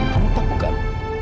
kamu tahu kan